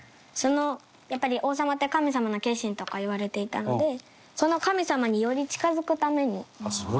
やっぱり、王様って神様の化身とかいわれていたのでその神様により近付くために建てたとか。